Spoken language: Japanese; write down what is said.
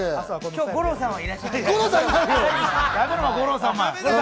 今日、五郎さんはいらっしゃいませんか？